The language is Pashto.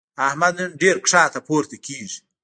احمد نن ډېر ښکته پورته کېږي.